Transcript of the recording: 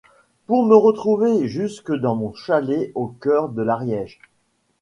pour me retrouver jusque dans mon chalet au cœur de l'Ariège.